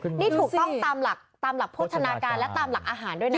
นี่ถูกต้องตามหลักตามหลักโภชนาการและตามหลักอาหารด้วยนะ